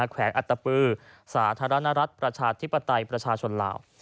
แวงอัตตปือสาธารณรัฐประชาธิปไตยประชาชนลาว